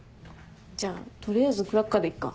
じゃあ取りあえずクラッカーでいっか。